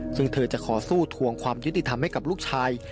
ซึ่งเธอจะขอสู้ทวงความยุติธรรมให้กับลูกชาย